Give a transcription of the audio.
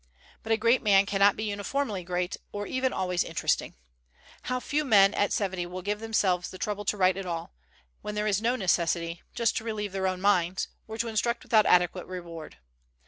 But a great man cannot be uniformly great or even always interesting. How few men at seventy will give themselves the trouble to write at all, when there is no necessity, just to relieve their own minds, or to instruct without adequate reward!